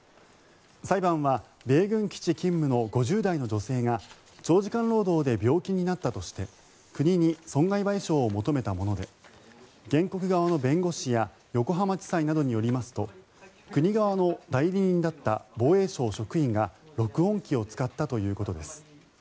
裁判は米軍基地勤務の５０代の女性が長時間労働で病気になったとして国に損害賠償を求めたもので原告側の弁護士や横浜地裁などによりますと国側の代理人だった防衛省職員が録音機を使ったということです。